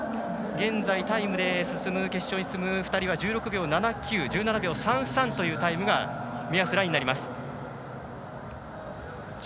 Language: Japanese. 現在、タイムで決勝に進む２人は１６秒７９１７秒３３というタイムが目安ラインになります。